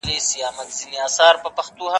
دا زوی مړې بله ورځ به کله وي ,